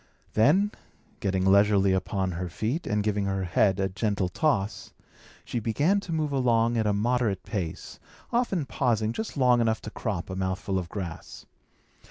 Then, getting leisurely upon her feet, and giving her head a gentle toss, she began to move along at a moderate pace, often pausing just long enough to crop a mouthful of grass.